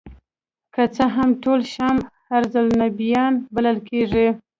که څه هم ټول شام ارض الانبیاء بلل کیږي.